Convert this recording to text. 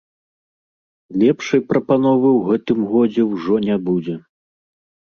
Лепшай прапановы ў гэтым годзе ўжо не будзе!